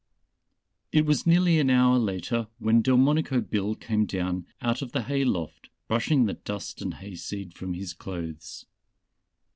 It was nearly an hour later when Delmonico Bill came down out of the hay loft, brushing the dust and hay seed from his clothes.